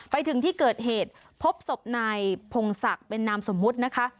ไปถึงที่เกิดเหตุพบศพนายพงศักดิ์เป็นนามสมมุตินะคะ